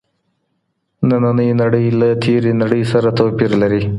ننۍ نړۍ له تېرې نړۍ سره توپیر لري.